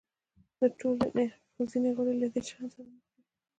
د ټولنې ځینې غړي له دې چلند سره مخ دي.